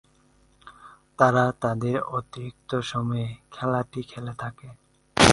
তারা তাদের অতিরিক্ত সময়ে খেলাটি খেলে থাকে।